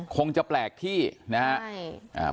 คงจะแปลกที่นะครับ